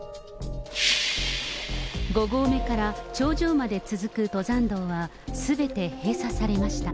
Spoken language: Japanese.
５合目から頂上まで続く登山道は、すべて閉鎖されました。